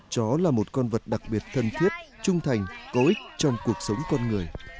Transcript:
chó là một con vật đặc biệt thân thiết trung thành có ích trong cuộc sống con người